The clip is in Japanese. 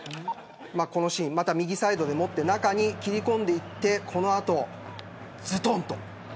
このシーン、右サイドでもって中に切り込んでいってこの後、ずどんと。